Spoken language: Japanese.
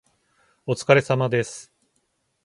お疲れ様です